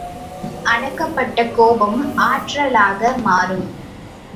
அடக்கப் பட்ட கோபம் ஆற்றலாக மாறும்!